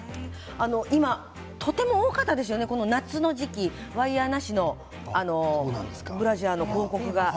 今とても多かったですねこの夏の時期、ワイヤーなしのブラジャーの広告が。